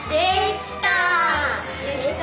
できた！